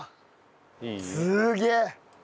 すげえ！